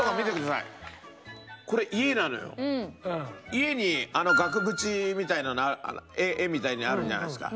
家に額縁みたいなの絵みたいなのあるじゃないですか。